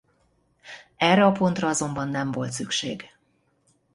Erre a pontra azonban nem volt szükség.